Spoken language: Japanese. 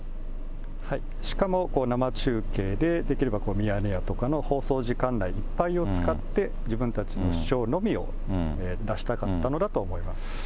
しかも生中継で、できればミヤネ屋とかの放送時間内いっぱいを使って、自分たちの主張のみを出したかったのだと思います。